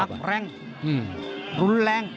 นับแรงรุนแรง